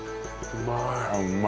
うまい。